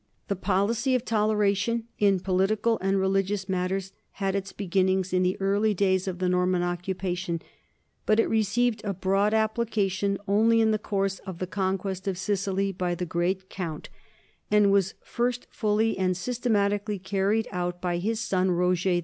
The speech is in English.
The policy of toleration in political and religious matters had its beginnings in the early days of the Nor man occupation, but it received a broad application only in the course of the conquest of Sicily by the Great Count, and was first fully and systematically carried out by his son Roger II.